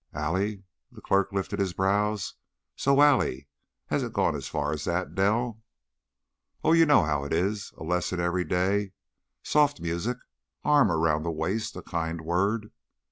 "Allie?" The clerk lifted his brows. "So 'Allie'! Has it gone as far as that, Del?" "Oh, you know how it is! A lesson every day, soft music, arm around the waist, a kind word.